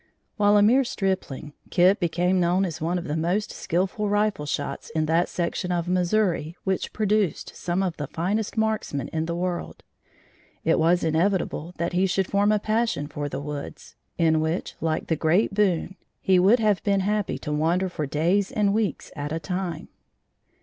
While a mere stripling, Kit became known as one of the most skilful rifle shots in that section of Missouri which produced some of the finest marksmen in the world. It was inevitable that he should form a passion for the woods, in which, like the great Boone, he would have been happy to wander for days and weeks at a time.